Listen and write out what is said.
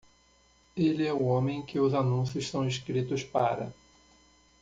Ele é o homem que os anúncios são escritos para.